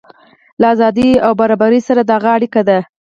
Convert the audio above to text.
له ازادۍ او برابرۍ سره د هغه اړیکه ده.